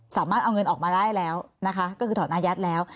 สามารถเอาเงินออกมาได้แล้วนะคะก็คือถอดอายัดแล้ว